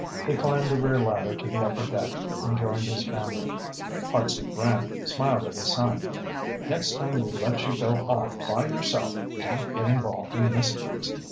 He climbed the rear ladder to the upper deck and joined his family. Hartson Brant smiled at his son. "Next time we let you go off by yourself don't get involved in mysteries.